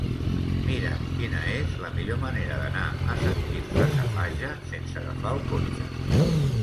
Mira'm quina és la millor manera d'anar a Sant Quirze Safaja sense agafar el cotxe.